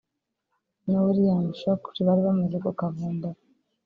na William Shockley bari bamaze kukavumbura